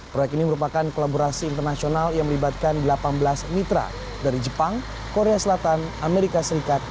proyek ini merupakan kolaborasi internasional yang melibatkan delapan belas mitra dari jepang korea selatan amerika serikat